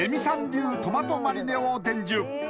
流トマトマリネを伝授